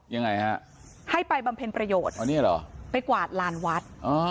ยังไงฮะให้ไปบำเพ็ญประโยชน์อ๋อนี่เหรอไปกวาดลานวัด